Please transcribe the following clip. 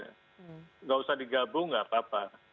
tidak usah digabung nggak apa apa